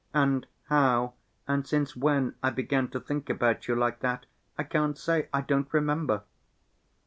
And how, and since when, I began to think about you like that, I can't say, I don't remember...."